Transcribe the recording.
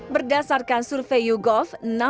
berdasarkan survei yougov